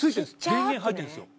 電源入ってるんですよ